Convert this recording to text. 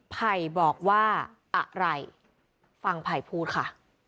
ไผ่บอกว่าอะไรฟังไผ่พูดค่ะ